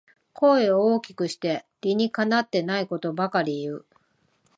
声を大きくして理にかなってないことばかり言う